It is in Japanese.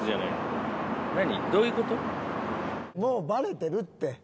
もうバレてるって。